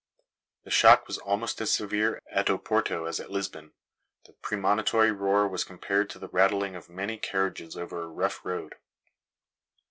The shock was almost as severe at Oporto as at Lisbon. The premonitory roar was compared to the rattling of many carriages over a rough road.